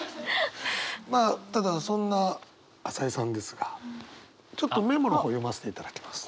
まあただそんな朝井さんですがちょっとメモの方読ませていただきます。